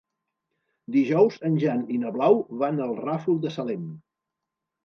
Dijous en Jan i na Blau van al Ràfol de Salem.